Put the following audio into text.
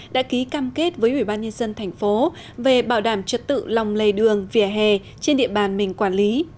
đã ký cam kết với ubnd thành phố về bảo đảm trật tự lòng lề đường vỉa hè trên địa bàn mình quản lý